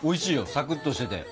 サクッとしてて。